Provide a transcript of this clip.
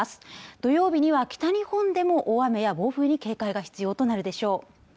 土曜日には北日本でも大雨や暴風に警戒が必要となるでしょう